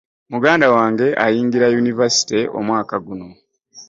Muganda wange ayingira yunivasite omwaka guno.